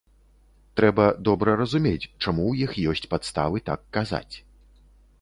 Трэба добра разумець, чаму ў іх ёсць падставы так казаць.